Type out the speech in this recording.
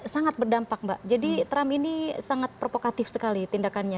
sangat berdampak mbak jadi trump ini sangat provokatif sekali tindakannya